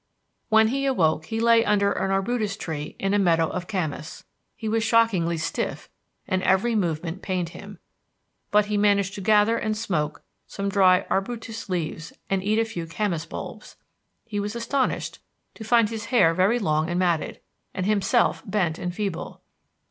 When he awoke he lay under an arbutus tree in a meadow of camas. He was shockingly stiff and every movement pained him. But he managed to gather and smoke some dry arbutus leaves and eat a few camas bulbs. He was astonished to find his hair very long and matted, and himself bent and feeble.